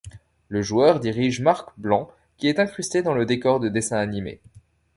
Le joueur dirige Marc Blanc qui est incrusté dans le décor de dessin animé.